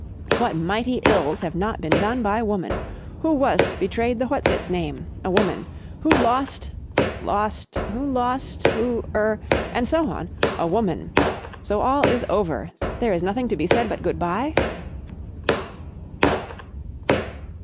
What mighty ills have not been done by woman? Who was't betrayed the what's its name? A woman! Who lost ... lost ... who lost ... who—er—and so on? A woman.... So all is over! There is nothing to be said but good bye?"